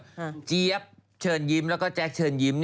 แล้วก็ลูกหญิงออกแจ๊คเชิญยิ้มแล้วก็เจ๊คเชิญยิ้ม